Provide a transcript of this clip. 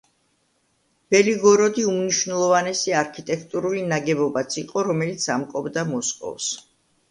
ბელი-გოროდი უმნიშვნელოვანესი არქიტექტურული ნაგებობაც იყო, რომელიც ამკობდა მოსკოვს.